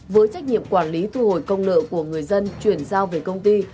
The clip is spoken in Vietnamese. với trách nhiệm quản lý thu hồi công nợ của người dân chuyển giao về công ty